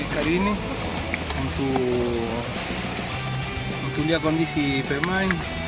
kali ini untuk lihat kondisi pemain